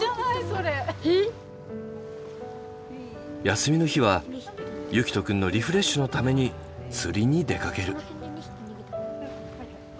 休みの日は結季斗くんのリフレッシュのために釣りに出かける。